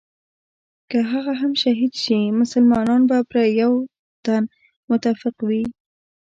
که هغه هم شهید شي مسلمانان به پر یوه تن متفق وي.